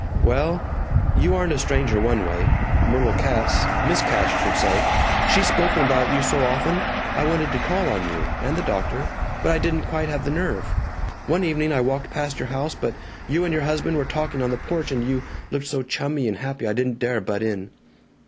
"Well You aren't a stranger, one way. Myrtle Cass Miss Cass, should say she's spoken about you so often. I wanted to call on you and the doctor but I didn't quite have the nerve. One evening I walked past your house, but you and your husband were talking on the porch, and you looked so chummy and happy I didn't dare butt in."